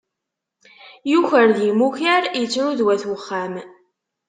Yuker d imukar, ittru d wat uxxam.